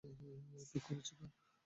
ঠিক করেছি না?